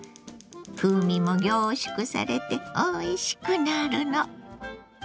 風味も凝縮されておいしくなるの。